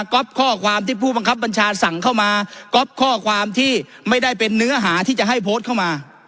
ก๊อปข้อความที่ผู้บังคับบัญชาสั่งเข้ามาก๊อปข้อความที่ไม่ได้เป็นเนื้อหาที่จะให้โพสต์เข้ามา